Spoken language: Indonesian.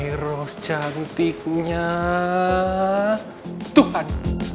my rose cantiknya tuhan